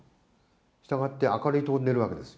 したがって、明るい所で寝るわけですよ。